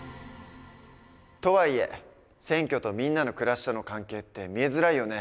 とはいえ選挙とみんなの暮らしとの関係って見えづらいよね。